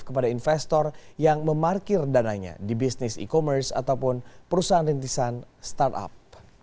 kepada investor yang memarkir dananya di bisnis e commerce ataupun perusahaan rintisan startup